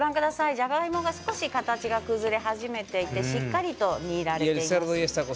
じゃがいもが少し形が崩れ始めていて、しっかり煮られています。